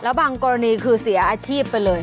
บางกรณีคือเสียอาชีพไปเลย